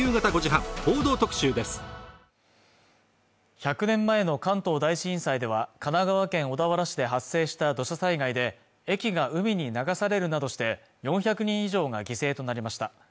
１００年前の関東大震災では神奈川県小田原市で発生した土砂災害で駅が海に流されるなどして４００人以上が犠牲となりました